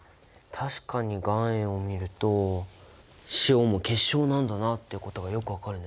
確かに岩塩を見ると塩も結晶なんだなってことがよく分かるね。